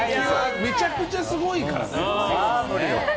めちゃくちゃすごいからな。